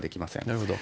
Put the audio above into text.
なるほど。